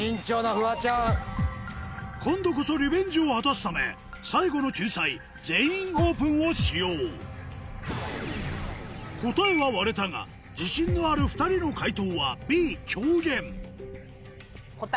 さすが。今度こそリベンジを果たすため最後の救済「全員オープン」を使用答えは割れたが自信のある２人の解答はＢ「狂言」答え